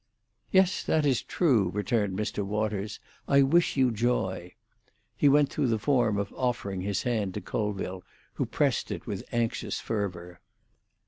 "Yes, that is true," returned Mr. Waters. "I wish you joy." He went through the form of offering his hand to Colville, who pressed it with anxious fervour.